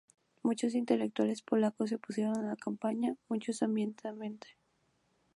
Muchos intelectuales polacos se opusieron a la campaña, muchos abiertamente.